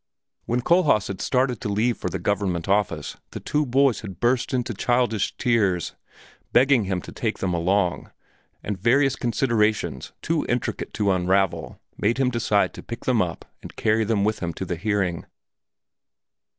When Kohlhaas had started to leave for the Government Office the two boys had burst into childish tears, begging him to take them along, and various considerations too intricate to unravel made him decide to pick them up and carry them with him to the hearing.